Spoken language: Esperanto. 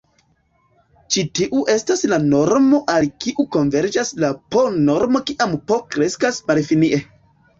Ĉi tiu estas la normo al kiu konverĝas la "p"-normo kiam "p" kreskas malfinie.